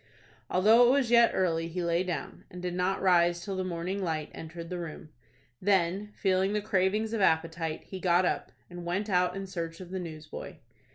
Although it was yet early he lay down, and did not rise till the morning light entered the room. Then, feeling the cravings of appetite, he got up, and went out in search of the newsboy.